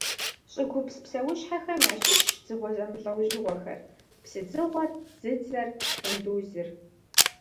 ЩӀыгупс псэущхьэхэм ящыщщ дзыгъуэ зэмылӀэужьыгъуэхэр: псыдзыгъуэр, дзыдзэр, къундузыр.